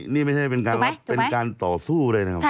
นี่ไม่ใช่เป็นการต่อสู้เลยนะครับ